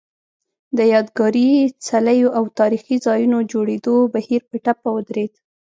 د یادګاري څلیو او تاریخي ځایونو جوړېدو بهیر په ټپه ودرېد